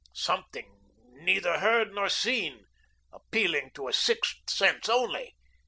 Something neither heard nor seen, appealing to a sixth sense only.